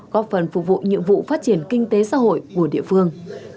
góp phần phục vụ nhiệm vụ phát triển kinh tế xã hội của địa phương